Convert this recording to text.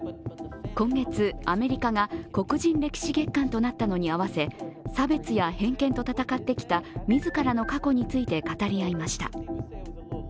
今月、アメリカが黒人歴史月間となったのに合わせ差別や偏見と闘ってきた自らの過去について語り合いました。